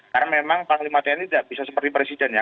karena memang panglima tni tidak bisa seperti presiden ya